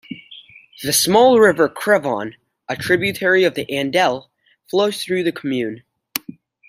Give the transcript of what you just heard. The small river Crevon, a tributary of the Andelle, flows through the commune.